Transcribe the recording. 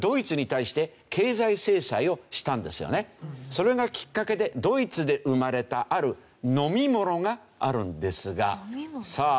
それがきっかけでドイツで生まれたある飲み物があるんですがさあ。